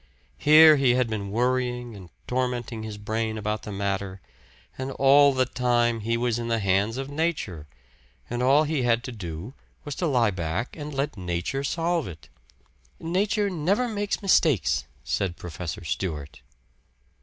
Here he had been worrying and tormenting his brain about the matter; and all the time he was in the hands of Nature and all he had to do was to lie back and let Nature solve it. "Nature never makes mistakes," said Professor Stewart.